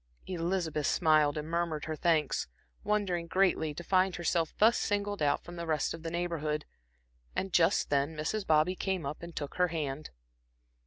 Elizabeth smiled and murmured her thanks, wondering greatly to find herself thus singled out from the rest of the Neighborhood; and just then Mrs. Bobby came up and took her hand.